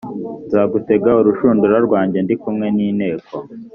nzagutega urushundura rwanjye ndi kumwe n inteko